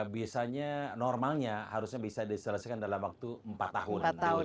biasanya normalnya harusnya bisa diselesaikan dalam waktu empat tahun